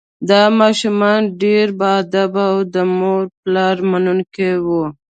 دا ماشومان ډیر باادبه او د مور او پلار منونکي وو